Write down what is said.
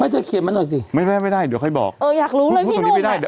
ไม่จะเขียนมันหน่อยสิไม่ได้ไม่ได้เดี๋ยวค่อยบอกเอออยากรู้เลยพี่หนุ่มแหละ